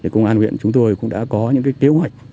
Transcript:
công an huyện chúng tôi cũng đã có những kế hoạch